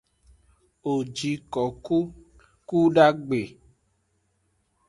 Wo ji koku kudagbe.